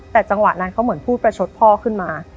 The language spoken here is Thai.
แต่จังหวะนั้นเขาเหมือนพูดประชดพ่อขึ้นมา